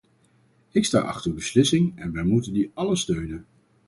Ik sta achter uw beslissing en wij moeten die allen steunen.